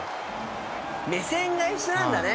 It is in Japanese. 目線が一緒なんだね。